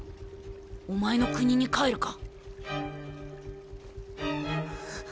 お前の国に帰るか？